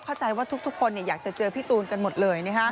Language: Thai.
เข้าใจว่าทุกคนอยากจะเจอพี่ตูนกันหมดเลย